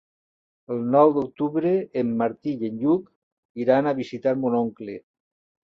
El nou d'octubre en Martí i en Lluc iran a visitar mon oncle.